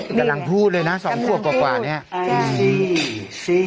กำลังพูดเลยนะ๒ขวบกว่าเนี่ย